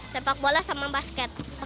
sepak bola sama basket